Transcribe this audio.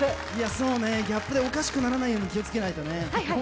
そうね、ギャップでおかしくならないように気をつけないとね。